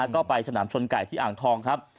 ก็ไปสนามชนไก่ที่อ่างทองครับ